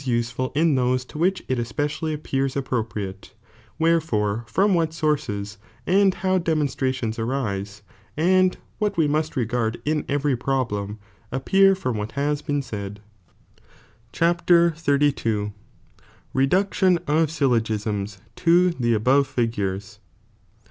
'teful in those to whicii it especially appears ap' propriate, wherefore from what sources, and how demonstra tions arise, and what we must regard in every problem, appeir l from what has been said. I Ckat. XXXn. — lleduetion of SyUogisrni to the above Figurei.'